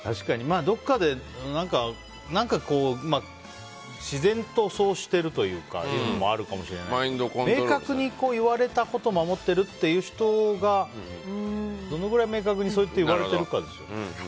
どこかで、何か自然とそうしているというかという部分があるかもしれないですけど明確に言われたことを守ってるという人がどのぐらい明確にそう言われているかですよね。